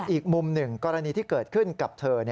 อีกมุมหนึ่งกรณีที่เกิดขึ้นกับเธอ